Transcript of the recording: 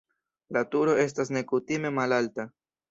La turo estas nekutime malalta.